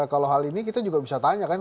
kalau hal ini kita juga bisa tanya kan